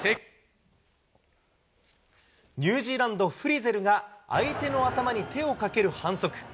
ニュージーランド、フリゼルが、相手の頭に手をかける反則。